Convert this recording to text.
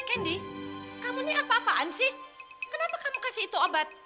kendi kamu nih apa apaan sih kenapa kamu kasih itu obat